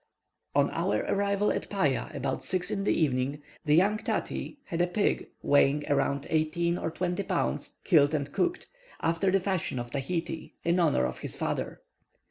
On our arrival at Paya, about 6 in the evening, the young Tati had a pig, weighing eighteen or twenty pounds, killed and cooked, after the fashion of Tahiti, in honour of his father.